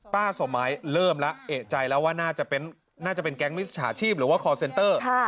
สมัยเริ่มแล้วเอกใจแล้วว่าน่าจะเป็นแก๊งมิจฉาชีพหรือว่าคอร์เซนเตอร์